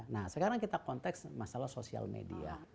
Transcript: nah sekarang kita konteks masalah sosial media